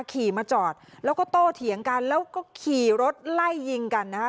ขี่มาจอดแล้วก็โตเถียงกันแล้วก็ขี่รถไล่ยิงกันนะคะ